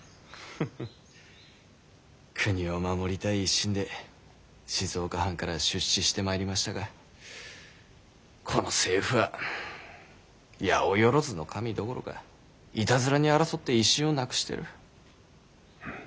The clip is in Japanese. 国を守りたい一心で静岡藩から出仕してまいりましたがこの政府は八百万の神どころかいたずらに争って威信をなくしてる。